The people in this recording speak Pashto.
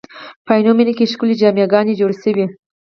په عینومېنه کې ښکلې جامع ګانې جوړې شوې.